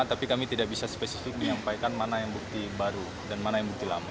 tapi kami tidak bisa spesifik menyampaikan mana yang bukti baru dan mana yang bukti lama